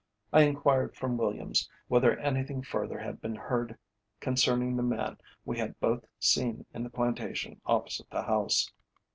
I inquired from Williams whether anything further had been heard concerning the man we had both seen in the plantation opposite the house.